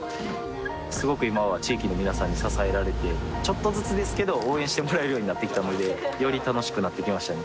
すごく今は地域の皆さんに支えられてちょっとずつですけど応援してもらえるようになってきたのでより楽しくなってきましたね